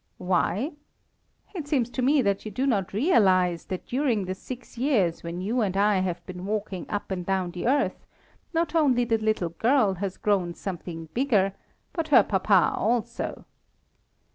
"Why? It seems to me that you do not realize that during the six years when you and I have been walking up and down the earth, not only the little girl has grown something bigger, but her papa also.